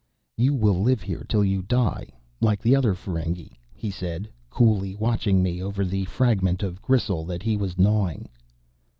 "You will live here till you die like the other Feringhi," he said, coolly, watching me over the fragment of gristle that he was gnawing.